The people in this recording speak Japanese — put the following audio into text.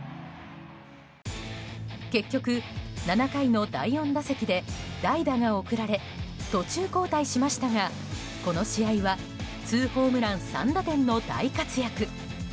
結局、７回の第４打席で代打が送られ途中交代しましたがこの試合はツーホームラン３打点の大活躍。